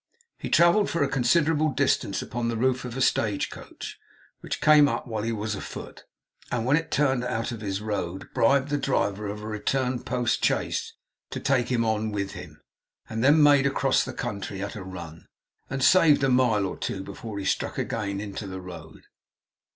He travelled for a considerable distance upon the roof of a stage coach, which came up while he was afoot; and when it turned out of his road, bribed the driver of a return post chaise to take him on with him; and then made across the country at a run, and saved a mile or two before he struck again into the road.